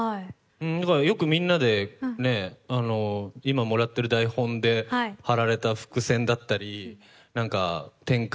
だからよくみんなで今もらってる台本ではられた伏線だったり展開。